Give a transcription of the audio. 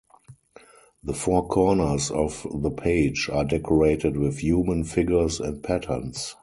The four corners of the page are decorated with human figures and patterns.